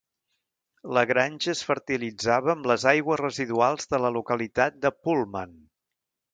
La granja es fertilitzava amb les aigües residuals de la localitat de Pullman.